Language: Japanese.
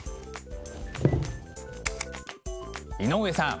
井上さん。